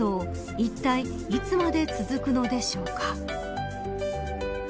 いったいいつまで続くのでしょうか。